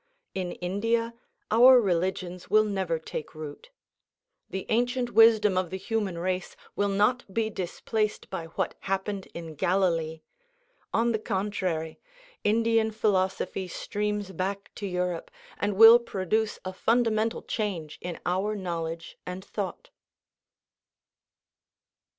In India our religions will never take root. The ancient wisdom of the human race will not be displaced by what happened in Galilee. On the contrary, Indian philosophy streams back to Europe, and will produce a fundamental change in our knowledge and thought.